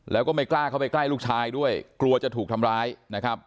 แล้วก็ไม่กล้าเข้าไปใกล้ลูกชายด้วยกลัวจะถูกทำร้ายนะครับ